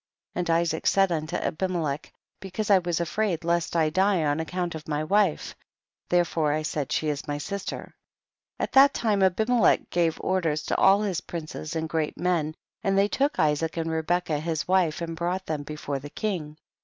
9. And Isaac said unto Abimc Icch, because I was afraid lest I die on account of my wife, therefore I said, she is my sister. 10. At that time Abimelech gave orders to all his princes and great men, and tiiey took Isaac and Re becca his wife and brought them be fore the king.